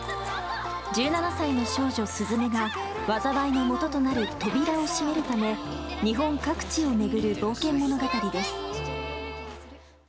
１７歳の少女・鈴芽が災いのもととなる扉を閉めるため日本各地を巡る冒険物語です。